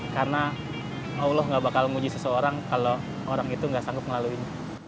karena allah nggak bakal muji seseorang kalau orang itu nggak sanggup ngelaluin